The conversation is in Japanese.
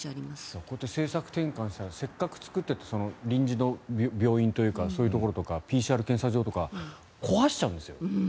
こうやって政策転換したらせっかく作っていた臨時の病院とかそういうところとかＰＣＲ検査場とかを壊しちゃうんですよ。